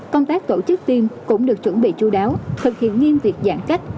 công tác tổ chức tiêm cũng được chuẩn bị chú đáo thực hiện nghiêm tuyệt giãn cách